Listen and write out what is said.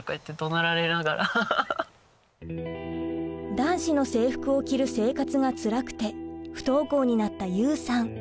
男子の制服を着る生活がつらくて不登校になったユウさん。